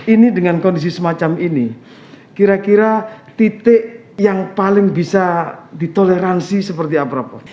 ini dengan kondisi semacam ini kira kira titik yang paling bisa ditoleransi seperti apa